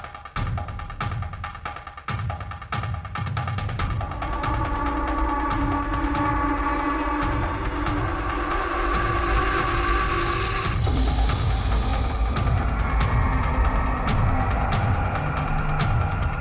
situ os itu tuh anggung american sonra alice